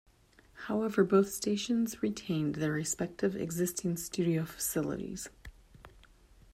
However, both stations' retained their respective existing studio facilities.